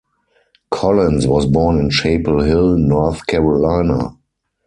Collins was born in Chapel Hill, North Carolina.